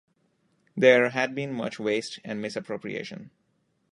There had been much waste and misappropriation.